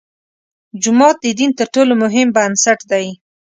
جومات د دین تر ټولو مهم بنسټ دی.